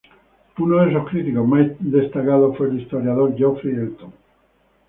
Uno de sus críticos más destacados fue el historiador Geoffrey Elton.